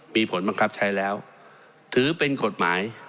มีผลบังคับใช้แล้วถือเป็นกฎหมาย